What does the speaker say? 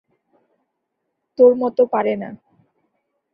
তোর মতো পারে না।